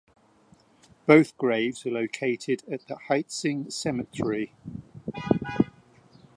Both graves are located at the Hietzing Cemetery.